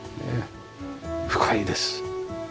深いです。